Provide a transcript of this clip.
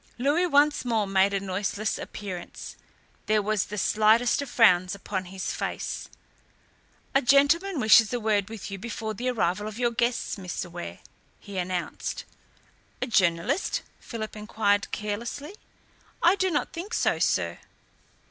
Louis once more made a noiseless appearance. There was the slightest of frowns upon his face. "A gentleman wishes a word with you before the arrival of your guests, Mr. Ware," he announced. "A journalist?" Philip enquired carelessly. "I do not think so, sir."